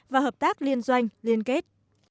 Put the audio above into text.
và hợp tác liên doanh liên kết